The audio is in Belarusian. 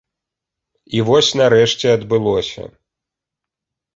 І вось нарэшце адбылося!